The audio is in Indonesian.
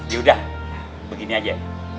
yaudah begini aja